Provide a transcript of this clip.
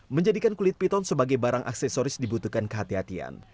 menjadikan kulit piton sebagai barang aksesoris dibutuhkan kehatian